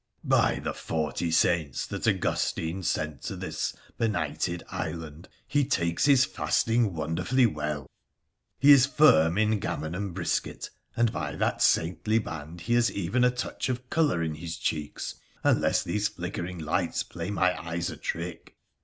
' By the forty saints that Augustine sent to this benighted island, he takes his fasting wonderfully well ! He is firm in gammon and brisket — and, by that saintly band, he has even a touch of colour in his cheeks, unless these flickering lights play my eyes a trick